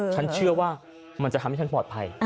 ฉันเชื่อว่ามันจะทำให้ฉันปลอดภัย